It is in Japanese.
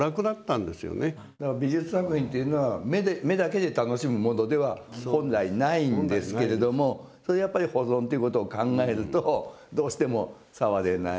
美術作品っていうのは目だけで楽しむものでは本来ないんですけれどもやっぱり保存っていうことを考えるとどうしても触れない。